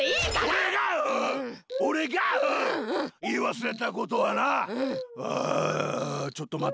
おれがおれがいいわすれたことはなはあちょっとまってくれ。